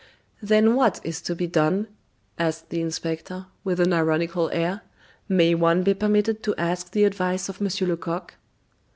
"Then what is to be done?" asked the inspector, with an ironical air. "May one be permitted to ask the advice of Monsieur Lecoq."